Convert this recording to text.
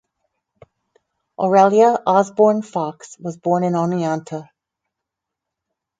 Aurelia Osborn Fox was born in Oneonta.